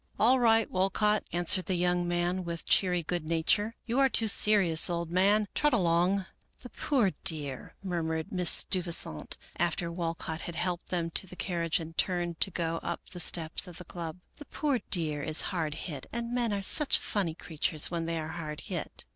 " All right, Walcott," answered the young man, with cheery good nature, "you are too serious, old man, trot along." 71 American Mystery Stories " The poor dear," murmured Mrs. Steuvisant, after Wal cott had helped them to the carriage and turned to go up the steps of the club, —" The poor dear is hard hit, and men are such funny creatures when they are hard hit."